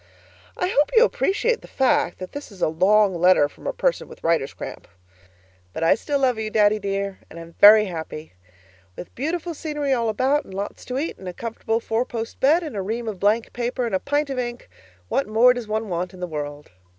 I hope you appreciate the fact that this is a long letter from a person with writer's cramp. But I still love you, Daddy dear, and I'm very happy. With beautiful scenery all about, and lots to eat and a comfortable four post bed and a ream of blank paper and a pint of ink what more does one want in the world?